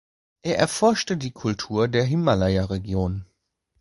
Er erforschte die Kultur der Himalaya-Region.